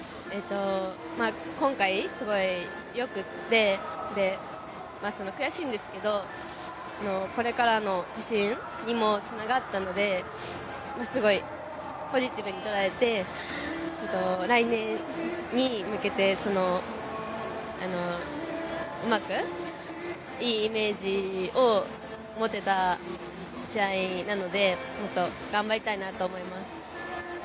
今回、すごい良くって悔しいんですけど、これからの自信にもつながったのですごいポジティブにとらえて来年に向けて、うまくいいイメージを持てた試合なのでもっと頑張りたいなと思います。